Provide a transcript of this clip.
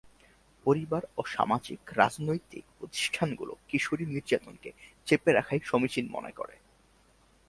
পরিবার ও সামাজিক রাজনৈতিক প্রতিষ্ঠানগুলো কিশোরী নির্যাতনকে চেপে রাখাই সমীচীন মনে করে।